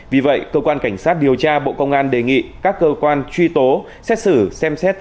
vì vậy cơ quan cảnh sát điều tra bộ công an đề nghị các cơ quan truy tố xét xử xem xét